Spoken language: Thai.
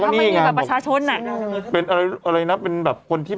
วิปัชนายานใหญ่